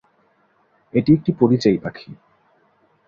এটি একটি পরিযায়ী পাখি।